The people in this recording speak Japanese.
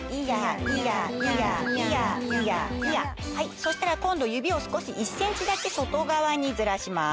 そしたら今度指を少し１ｃｍだけ外側にずらします。